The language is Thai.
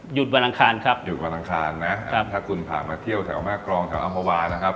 วันอังคารครับหยุดวันอังคารนะครับถ้าคุณผ่านมาเที่ยวแถวแม่กรองแถวอำภาวานะครับ